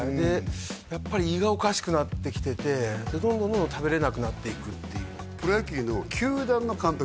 やっぱり胃がおかしくなってきててどんどんどんどん食べれなくなっていくっていうプロ野球の球団の監督